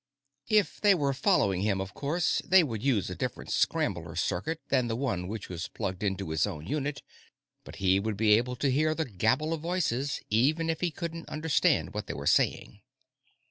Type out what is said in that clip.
If they were following him, of course, they would use a different scrambler circuit than the one which was plugged into his own unit, but he would be able to hear the gabble of voices, even if he couldn't understand what they were saying.